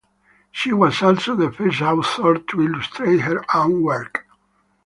She was also the first author to illustrate her own work.